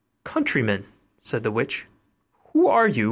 'Countryman,' said the witch, 'who are you?